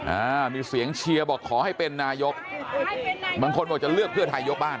อ่ามีเสียงเชียร์บอกขอให้เป็นนายกบางคนบอกจะเลือกเพื่อไทยยกบ้าน